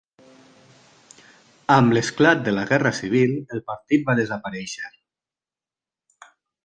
Amb l'esclat de la guerra civil el partit va desaparèixer.